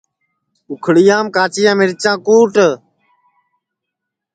اُکھݪیام کاچیاں مِرچاں کُٹ